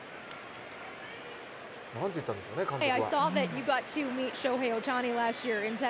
何て言ったんでしょうね、監督は。